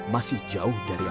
masih jauh dari akhirnya